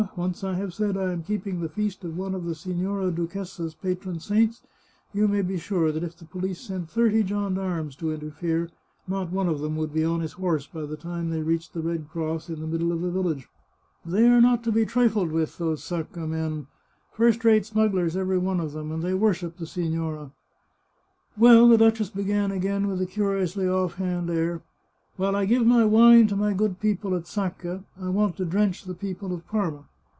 Once I have said I am keeping the feast of one of the Signora Duchessa's patron saints, you may be sure that if the police sent thirty gendarmes to interfere, not one of them would be on his horse by the time they reached the red cross in the middle of the village. They are 414 The Chartreuse of Parma not to be trifled with, those Sacca men — first rate smugglers every one of them, and they worship the signora." " Well," the duchess began again with a curiously off hand" air, " while I give wine to my good people at Sacca, I want to drench the people of Parma.